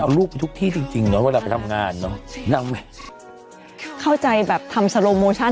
เอารูปไปทุกที่จริงจริงเนอะเวลาไปทำงานเนอะนั่งไงเข้าใจแบบทำ